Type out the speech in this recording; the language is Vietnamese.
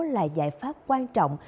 là giải pháp quan trọng